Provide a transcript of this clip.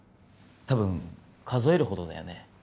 多分数えるほどだよね